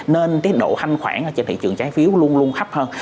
nên độ thanh khoản trên thị trường trái phiếu luôn luôn hấp hơn